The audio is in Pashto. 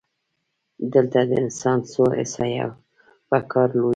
دلته د انسان څو حسه په کار لویږي.